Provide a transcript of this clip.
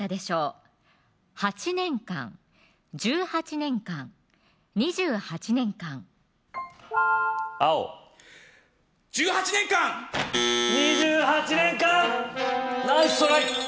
８年間・１８年間・２８年間青１８年間２８年間ナイストライ